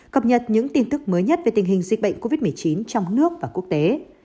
cập nhật những tin tức mới nhất về tình hình dịch bệnh covid một mươi chín trong nước và quốc tế